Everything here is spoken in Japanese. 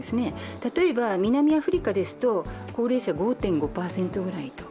例えば南アフリカですと高齢者は５．５％ぐらいと。